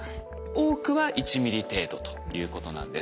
多くは１ミリ程度ということなんです。